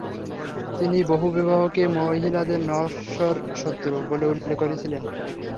তিনি বহুবিবাহকে "মহিলাদের নশ্বর শত্রু" বলে উল্লেখ করেছিলেন।